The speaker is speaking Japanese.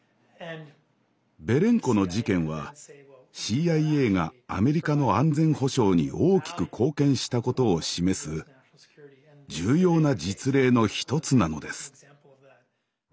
ベレンコの事件はＣＩＡがアメリカの安全保障に大きく貢献したことを示す重要な実例の一つなのです。